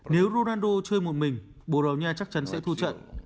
nếu ronaldo chơi một mình bồ đào nha chắc chắn sẽ thu trận